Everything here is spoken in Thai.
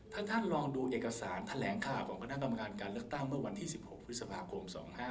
ถ้าท่านลองดูเอกสารแถลงข่าวของคณะกรรมการการเลือกตั้งเมื่อวันที่๑๖พฤษภาคม๒๕๕๙